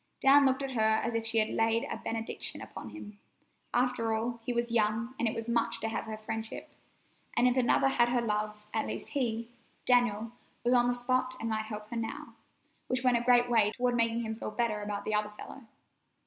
Dan looked at her as if she had laid a benediction upon him. After all, he was young, and it was much to have her friendship. And if another had her love, at least he, Daniel, was on the spot and might help her now, which went a great way toward making him feel better about the other fellow.